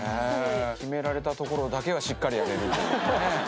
決められたところだけはしっかりやれるっていうね。